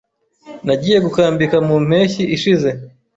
Nagiye gukambika mu mpeshyi ishize.